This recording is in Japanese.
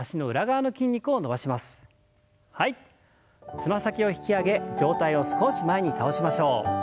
つま先を引き上げ上体を少し前に倒しましょう。